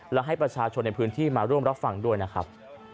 และให้ประชาชนในพื้นที่มาร่วมรับฟังด้วยนะครับ